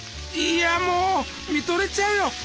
いやもう見とれちゃうよ。